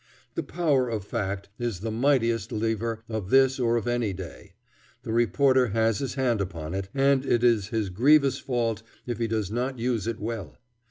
The power of fact is the mightiest lever of this or of any day. The reporter has his hand upon it, and it is his grievous fault if he does not use it well.